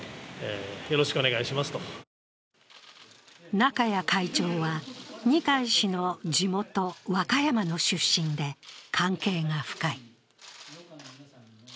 中家会長は、二階氏の地元・和歌山の出身で関係が深い。